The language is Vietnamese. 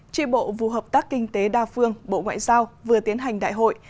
tri bộ vụ hợp tác kinh tế đa phương bộ ngoại giao vừa tiến hành đại hội